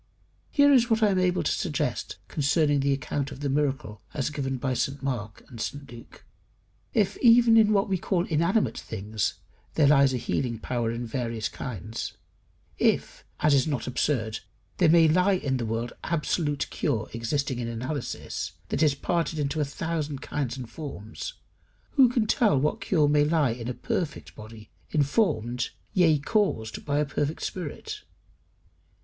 Here is what I am able to suggest concerning the account of the miracle as given by St Mark and St Luke. If even in what we call inanimate things there lies a healing power in various kinds; if, as is not absurd, there may lie in the world absolute cure existing in analysis, that is parted into a thousand kinds and forms, who can tell what cure may lie in a perfect body, informed, yea, caused, by a perfect spirit?